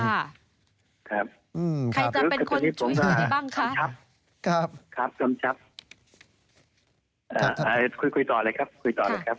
ใครจะเป็นคนช่วยอย่างนี้บ้างครับ